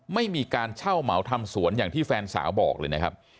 ไม่มีการเช่าเหมาทำสวนอย่างที่แฟนสาวบอกเลยนะครับ